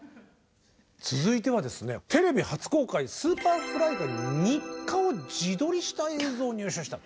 続いてはですねテレビ初公開Ｓｕｐｅｒｆｌｙが日課を自撮りした映像を入手した！